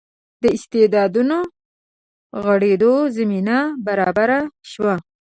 د استعدادونو غوړېدو زمینه برابره شوه.